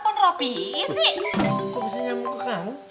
mau salah pencet